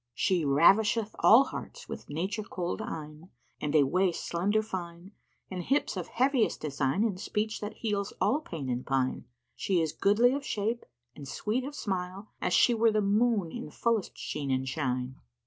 She ravisheth all hearts with Nature kohl'd eyne, and a waist slender fine and hips of heaviest design and speech that heals all pain and pine: she is goodly of shape and sweet of smile, as she were the moon in fullest sheen and shine."